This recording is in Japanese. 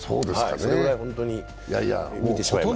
それぐらい本当に見てしまいました。